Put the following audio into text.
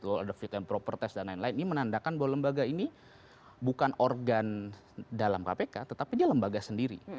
lalu ada fit and proper test dan lain lain ini menandakan bahwa lembaga ini bukan organ dalam kpk tetapi dia lembaga sendiri